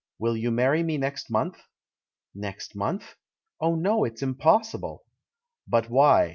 Will you marry me next month?" "Xext month? Oh, no, it's impossible!" "But why?